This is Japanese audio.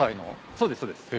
そうですそうです。へ。